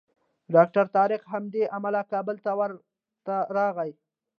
ډاکټر طارق همدې امله کابل ته ورته راغی.